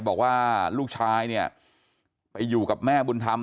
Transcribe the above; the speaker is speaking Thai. บอกว่าลูกชายเนี่ยไปอยู่กับแม่บุญธรรม